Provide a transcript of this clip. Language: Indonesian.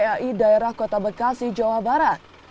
kpai daerah kota bekasi jawa barat